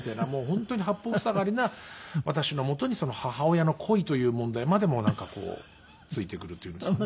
本当に八方塞がりな私のもとに母親の恋という問題までもなんかこう付いてくるというんですかね。